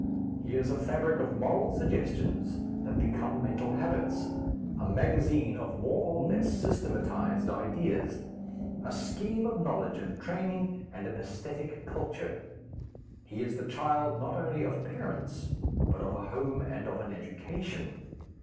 He is a fabric of moral suggestions that become mental habits, a magazine of more or less systematized ideas, a scheme of knowledge and training and an æsthetic culture. He is the child not only of parents but of a home and of an education.